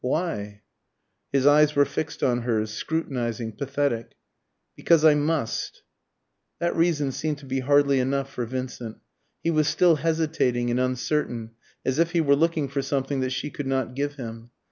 "Why?" His eyes were fixed on hers, scrutinising, pathetic. "Because I must." That reason seemed to be hardly enough for Vincent. He was still hesitating and uncertain, as if he were looking for something that she could not give him.